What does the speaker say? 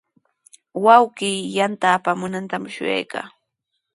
Wawqii yanta apamunantami shuyaykaa.